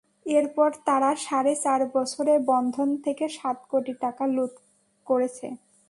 এরপর তারা সাড়ে চার বছরে বন্ধন থেকে সাত কোটি টাকা লুট করেছে।